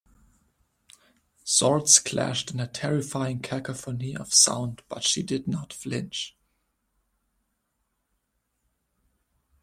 Swords clashed in a terrifying cacophony of sound but she did not flinch.